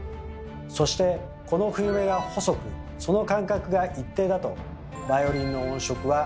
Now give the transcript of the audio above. そしてこの冬目が細くその間隔が一定だとバイオリンの音色は均一で高品質になります。